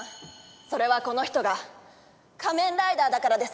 それはこの人が仮面ライダーだからです。